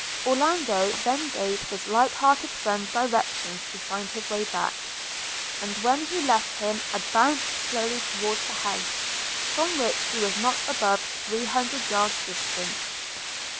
Orlando then gave his light hearted friend directions to find his way back, and when he left him, advanced slowly towards the house, from which he was not above three hundred yards distant.